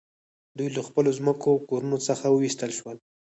دوی له خپلو ځمکو او کورونو څخه وویستل شول